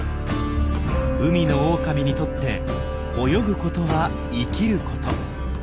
海のオオカミにとって泳ぐことは生きること。